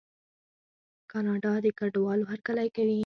کاناډا د کډوالو هرکلی کوي.